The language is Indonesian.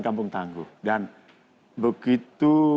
kampung tangguh dan begitu